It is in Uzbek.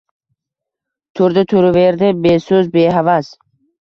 Turdi, turaverdi beso‘z, behavas.